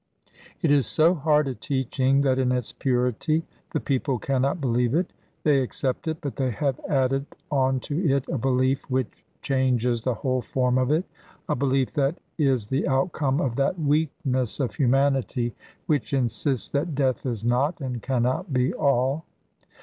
It is so hard a teaching that in its purity the people cannot believe it. They accept it, but they have added on to it a belief which changes the whole form of it, a belief that is the outcome of that weakness of humanity which insists that death is not and cannot be all.